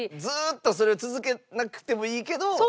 ずっとそれを続けなくてもいいけど。